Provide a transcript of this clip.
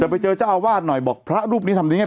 แต่ไปเจอเจ้าอาวาสหน่อยบอกพระรูปนี้ทำดีไง